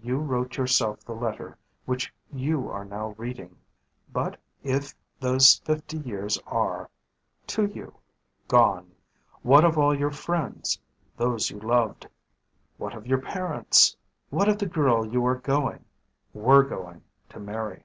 You wrote yourself the letter which you are now reading. But if those fifty years are to you gone, what of all your friends, those you loved? What of your parents? What of the girl you are going were going to marry?